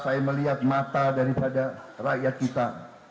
saya melihat mata daripada rakyat kita